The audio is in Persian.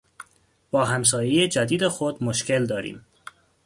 با همسایهی جدید خود مشکل داریم.